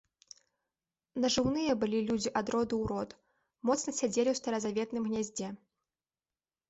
Нажыўныя былі людзі ад роду ў род, моцна сядзелі ў старазаветным гняздзе.